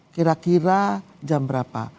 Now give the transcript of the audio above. kira kira jam berapa